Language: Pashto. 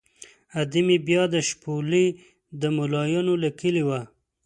ادې مې بیا د شپولې د ملایانو له کلي وه.